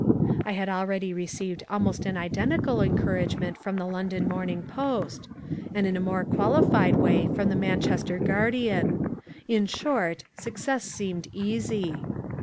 I had already received almost an identical encouragement from the London Morning Post, and in a more qualified way from the Manchester Guardian. In short, success seemed easy.